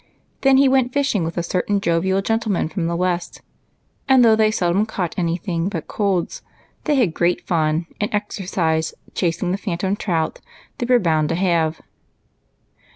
Then he went fishing with a certain jovial gentle man from the West ; and though they seldom caught any thing but colds, they had great fun and exercise chasing the phantom trout they were bound to have.